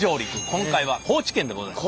今回は高知県でございます。